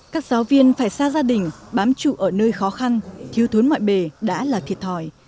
các giáo viên phải xa gia đình bám trụ ở nơi khó khăn thiếu thốn ngoại bề đã là thiệt thòi